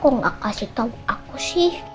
kok gak kasih tau aku sih